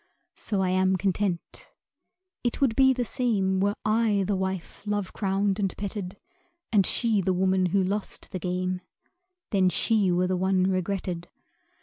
So I am content. It would be the same Were I the wife love crowned and petted, And she the woman who lost the game Then she were the one regretted.